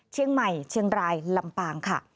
เชียงใหม่เชียงรายลำปางค่ะ